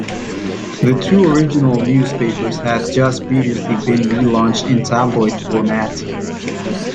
The two original newspapers had just previously been re-launched in tabloid format.